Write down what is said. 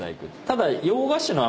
ただ。